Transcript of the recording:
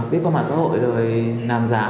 biết qua mạng xã hội rồi làm giá